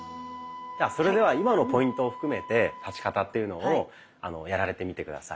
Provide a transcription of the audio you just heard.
それでは今のポイントを含めて立ち方というのをやられてみて下さい。